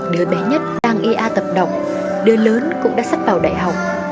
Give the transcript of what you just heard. đứa bé nhất đang ea tập động đứa lớn cũng đã sắp vào đại học